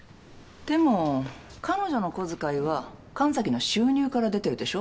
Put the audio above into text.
でも彼女の小遣いは神崎の収入から出てるでしょ？